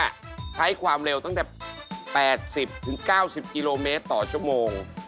ใช้ความเร็วตั้งแต่๘๐๙๐กิโลเมตรต่อชั่วโมง